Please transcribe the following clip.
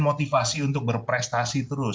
motivasi untuk berprestasi terus